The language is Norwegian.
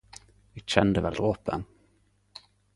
Eg kjende vel dropen